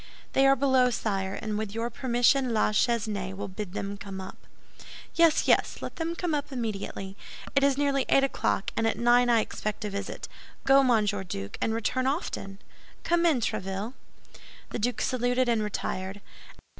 "They are below, sire, and with your permission La Chesnaye will bid them come up." "Yes, yes, let them come up immediately. It is nearly eight o'clock, and at nine I expect a visit. Go, Monsieur Duke, and return often. Come in, Tréville." The Duke saluted and retired.